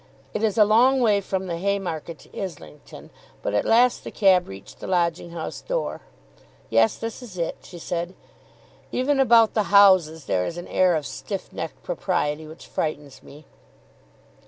It is a long way from the Haymarket to Islington, but at last the cab reached the lodging house door. "Yes, this is it," she said. "Even about the houses there is an air of stiff necked propriety which frightens me."